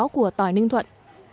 của tỏi ninh thuận